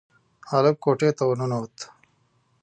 هلک کوټې ته ورننوت.